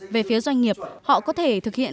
về phía doanh nghiệp họ có thể thực hiện